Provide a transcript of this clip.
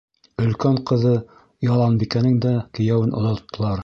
Өлкән ҡыҙы Яланбикәнең дә кейәүен оҙаттылар.